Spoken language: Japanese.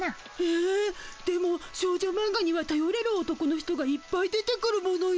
えっでも少女マンガにはたよれる男の人がいっぱい出てくるものよ。